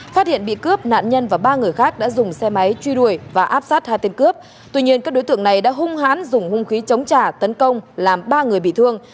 phát hiện bị cướp nạn nhân và ba người khác đã dùng xe máy truy đuổi và áp sát hai tên cướp tuy nhiên các đối tượng này đã hung hãn dùng hung khí chống trả tấn công làm ba người bị thương